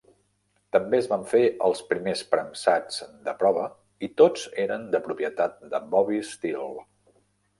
També es van fer els primers premsats de prova i tots eren de propietat de Bobby Steele.